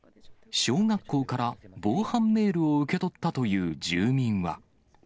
小学校から防犯メールを受け取ったという住民は。